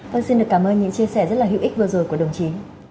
vâng xin được cảm ơn những chia sẻ rất là hữu ích vừa rồi của đồng chí